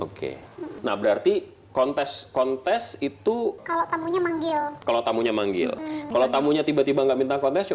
oke nah berarti kontes kontes itu kalau tamunya manggil kalau tamunya manggil kalau tamunya tiba tiba nggak minta kontes